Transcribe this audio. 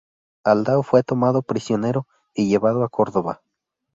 Aldao fue tomado prisionero y llevado a Córdoba.